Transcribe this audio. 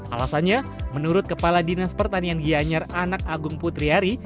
alasannya menurut kepala dinas pertanian gianyar anak agung putriari